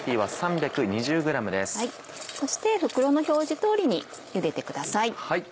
そして袋の表示通りにゆでてください。